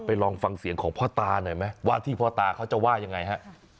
ลองฟังเสียงของพ่อตาหน่อยไหมว่าที่พ่อตาเขาจะว่ายังไงฮะ